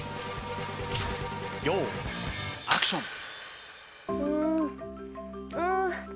用意アクション。